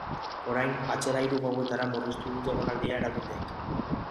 Orain, atzera hiru gauetara murriztu dute egonaldia erakundeek.